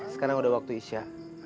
sekarang udah waktu isya